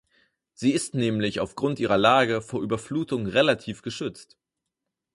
Sie ist nämlich auf Grund ihrer Lage vor Überflutung relativ geschützt.